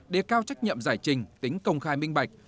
đề cao trách nhiệm giải trình tính công khai minh bạch